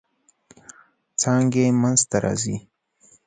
څانګې منځ ته راځي.